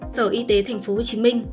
sở y tế tp hcm